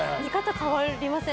変わりません？